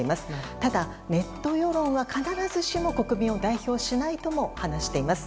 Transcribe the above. ただ、ネット世論は必ずしも国民を代表しないとも話しています。